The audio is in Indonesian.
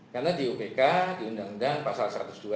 karena di iupk di undang undang pasal satu ratus dua satu ratus tiga